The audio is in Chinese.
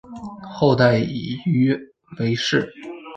后代以鱼为氏。